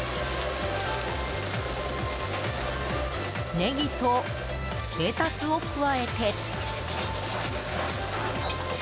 ネギとレタスを加えて。